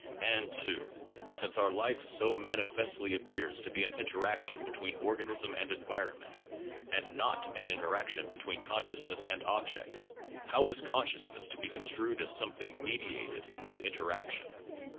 and, (2) Since our life so manifestly appears to be an interaction between organism and environment, and not an in teraction between consciousness and objects, how is conscious ness to be construed as something mediated in that interaction?